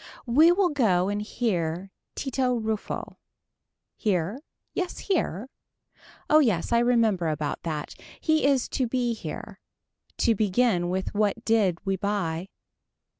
We will go and hear Tito Ruffo. Here. Yes here. Oh yes I remember about that. He is to be here. To begin with what did we buy.